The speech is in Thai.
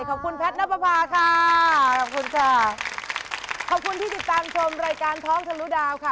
ขอบคุณที่ติดตามชมรายการท้องทะลุดาวค่ะ